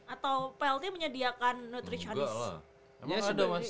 atau plt menyediakan nutritionist